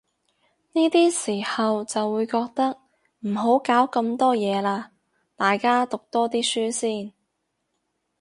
呢啲時候就會覺得，唔好搞咁多嘢喇，大家讀多啲書先